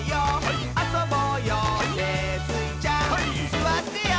「すわってよ」